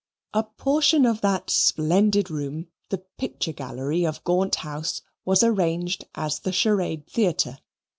A portion of that splendid room, the picture gallery of Gaunt House, was arranged as the charade theatre.